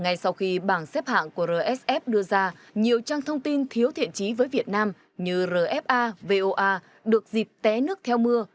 ngay sau khi bảng xếp hạng của rsf đưa ra nhiều trang thông tin thiếu thiện trí với việt nam như rfa voa được dịp té nước theo mưa